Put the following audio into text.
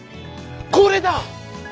これだ！